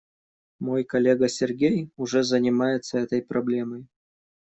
Мой коллега Сергей уже занимается этой проблемой.